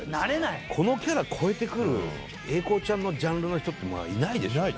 このキャラ超えてくる英孝ちゃんのジャンルの人ってまあいないでしょうね。